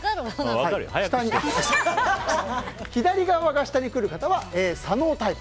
左側が下にくる方は左脳タイプ。